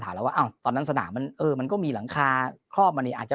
ถามแล้วว่าตอนนั้นสนามมันมันก็มีหลังคาข้อมันอาจจะ